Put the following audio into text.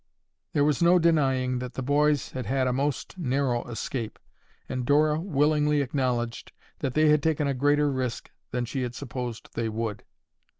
There was no denying that the boys had had a most narrow escape and Dora willingly acknowledged that they had taken a greater risk than she had supposed they would.